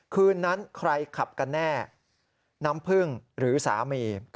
คืนนั้นใครขับกันแน่น้ำพึ่งหรือสามี